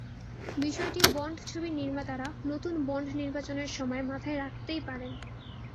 বিষয়টি বন্ড ছবির নির্মাতারা নতুন বন্ড নির্বাচনের সময় মাথায় রাখতেই পারেন।